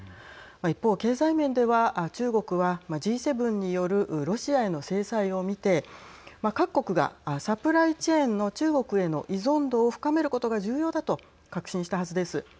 一方、経済面では中国はＧ７によるロシアへの制裁を見て各国がサプライチェーンの中国への依存度を深めることが重要だと確信したはずです。